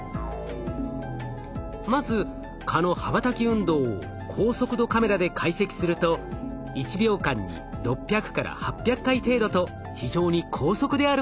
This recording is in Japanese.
まず蚊の羽ばたき運動を高速度カメラで解析すると１秒間に６００８００回程度と非常に高速であることが分かりました。